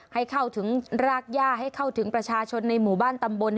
ให้เข้าถึงรากย่าให้เข้าถึงประชาชนในหมู่บ้านตำบล